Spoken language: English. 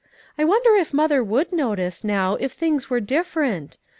I wonder if mother would notice now if things were different.